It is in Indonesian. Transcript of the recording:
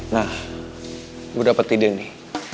nah gue dapat ide nih